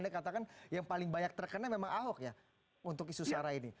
anda katakan yang paling banyak terkena memang ahok ya untuk isu sara ini